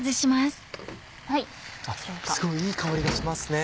すごいいい香りがしますね。